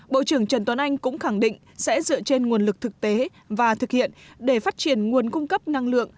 bộ trưởng trần tuấn anh cũng khẳng định sẽ dựa trên nguồn lực thực tế và thực hiện để phát triển nguồn cung cấp năng lượng